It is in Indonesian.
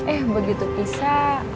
eh begitu bisa